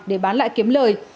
để bán lại kiếm lời